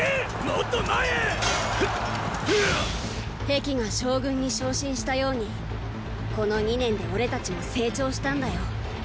壁が将軍に昇進したようにこの二年でオレたちも成長したんだよ。